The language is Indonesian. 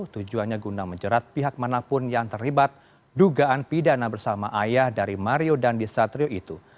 tujuannya guna menjerat pihak manapun yang terlibat dugaan pidana bersama ayah dari mario dandisatrio itu